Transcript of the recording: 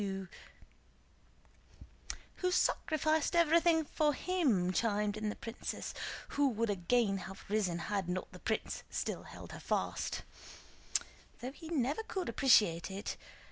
"Who sacrificed everything for him," chimed in the princess, who would again have risen had not the prince still held her fast, "though he never could appreciate it.